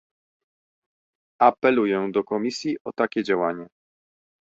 Apeluję do Komisji o takie działanie